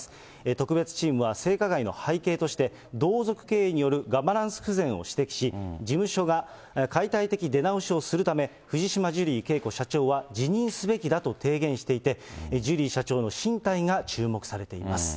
特別チームは性加害の背景として、同族経営によるガバナンス不全を指摘し、事務所が解体的出直しをするため、藤島ジュリー景子社長は辞任すべきだと提言していて、ジュリー社長の進退が注目されています。